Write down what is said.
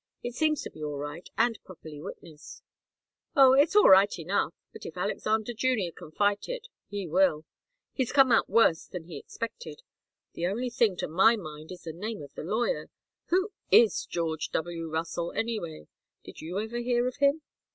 "It seems to be all right, and properly witnessed." "Oh it's all right enough. But if Alexander Junior can fight it, he will. He's come out worse than he expected. The only odd thing, to my mind, is the name of the lawyer. Who is George W. Russell, anyway? Did you ever hear of him?"